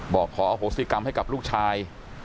บอกขออโหสิกรรมให้กับลูกชาย